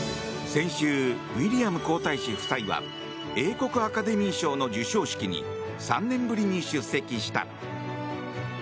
先週、ウィリアム皇太子夫妻は英国アカデミー賞の授賞式に３年ぶりに出席した。